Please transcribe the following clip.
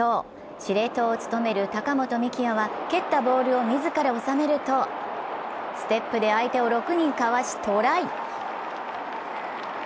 司令塔を務める高本幹也は蹴ったボールを自ら収めるとステップで相手を６人かわし、トライ。